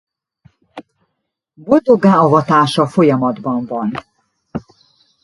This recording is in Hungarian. Boldoggá avatása folyamatban van.